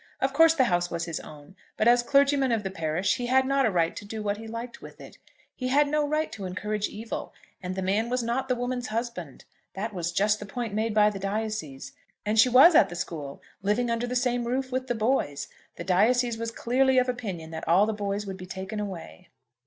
Of course the house was his own, but as clergyman of the parish he had not a right to do what he liked with it. He had no right to encourage evil. And the man was not the woman's husband. That was just the point made by the diocese. And she was at the school, living under the same roof with the boys! The diocese was clearly of opinion that all the boys would be taken away.